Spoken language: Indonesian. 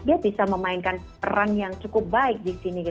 dia bisa memainkan peran yang cukup baik di sini